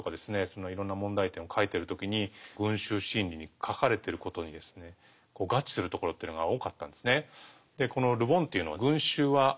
そのいろんな問題点を書いてる時に「群衆心理」に書かれてることに合致するところというのが多かったんですね。